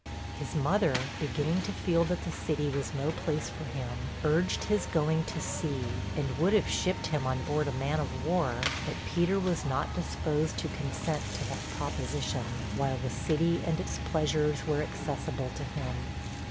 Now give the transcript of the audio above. His mother, beginning to feel that the city was no place for him, urged his going to sea, and would have shipped him on board a man of war; but Peter was not disposed to consent to that proposition, while the city and its pleasures were accessible to him.